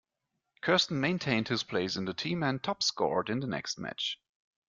Kirsten maintained his place in the team and top scored in the next match.